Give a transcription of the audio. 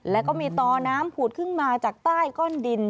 แล้วก็มีตอน้ำผูดขึ้นมาจากใต้ก้อนดิน